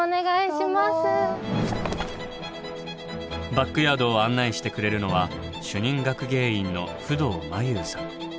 バックヤードを案内してくれるのは主任学芸員の不動真優さん。